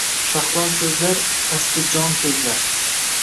Shahlo ko’zlar, qasdi jon ko’zlar